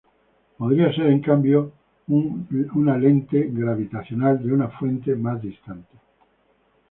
Podría ser en cambio un lente gravitacional de una fuente más distante.